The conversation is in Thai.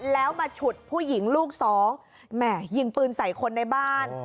แล้วมาฉุดผู้หญิงลูกสองแหม่ยิงปืนใส่คนในบ้าน